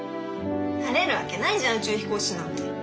なれるわけないじゃん宇宙飛行士なんて。